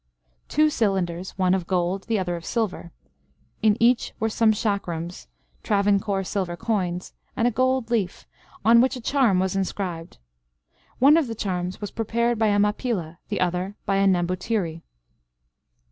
Two cylinders, one of gold, the other of silver. In each were some chakrams (Travancore silver coins) and a gold leaf, on which a charm was inscribed. One of the charms was prepared by a Mappilla, the other by a Nambutiri.